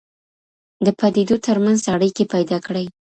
د پديدو تر منځ اړيکي پيدا کړئ.